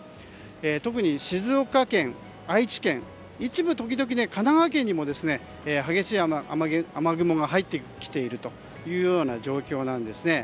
特に静岡県、愛知県一部時々、神奈川県にも激しい雨雲が入ってきているという状況なんですね。